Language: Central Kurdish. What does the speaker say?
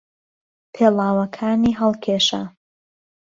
پێڵاوەکانی هەڵکێشا.